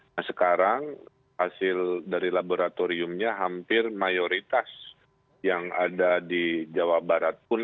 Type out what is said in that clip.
nah sekarang hasil dari laboratoriumnya hampir mayoritas yang ada di jawa barat pun